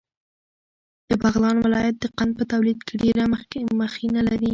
د بغلان ولایت د قند په تولید کې ډېره مخینه لري.